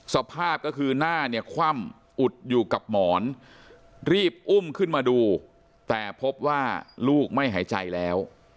สภาพก็คือหน้าเนี่ยคว่ำอุดอยู่กับหมอนรีบอุ้มขึ้นมาดูแต่พบว่าลูกไม่หายใจแล้ว